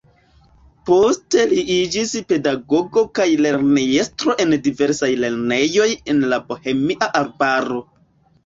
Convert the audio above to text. Poste li iĝis pedagogo kaj lernejestro en diversaj lernejoj en la Bohemia arbaro.